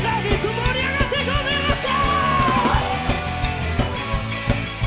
盛り上がっていこうぜ、よろしく！